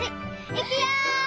いくよ！